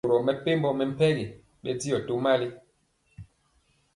Nɛ boro mepempɔ mɛmpegi bɛndiɔ tomali.